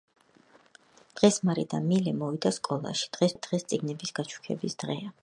დღეს მარი და მილე მოვიდა სკოლაში დღეს წვიმიანი ამინდია ასევე დღეს წიგნების გაჩუქების დღეა